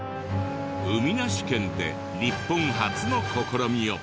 海なし県で日本初の試みを。